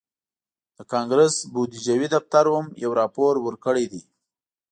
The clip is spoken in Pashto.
د کانګرس بودیجوي دفتر هم یو راپور ورکړی دی